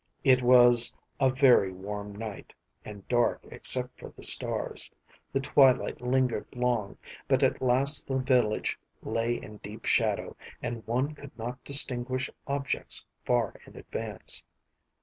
It was a very warm night, and dark except for the stars. The twilight lingered long, but at last the village lay in deep shadow, and one could not distinguish objects far in advance.